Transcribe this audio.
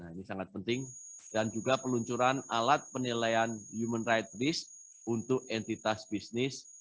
ini sangat penting dan juga peluncuran alat penilaian human right risk untuk entitas bisnis